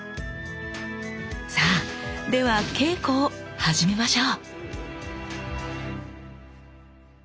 さあでは稽古を始めましょう！